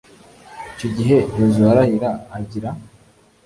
icyo gihe, yozuwe arahira, agira